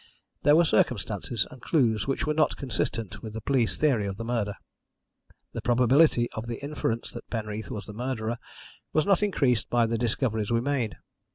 There were circumstances and clues which were not consistent with the police theory of the murder. The probability of the inference that Penreath was the murderer was not increased by the discoveries we made.